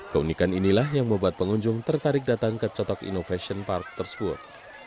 keunikan inilah yang membuat pengunjung tertarik datang ke cotok innovation park tersebut